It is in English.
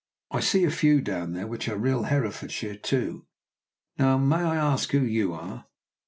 I see a few down there which are real Herefordshire, too. And now may I ask who you are?"